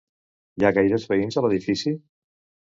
Hi ha gaires veïns a l'edifici?